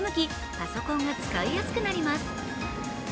パソコンが使いやすくなります。